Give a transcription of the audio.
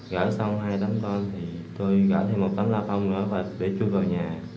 gỡ xong hai tấm con thì tôi gỡ thêm một tấm lao phong nữa để chui vào nhà